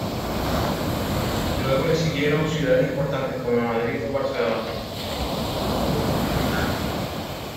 Luego le siguieron ciudades importantes, como Madrid o Barcelona, con manifestaciones multitudinarias.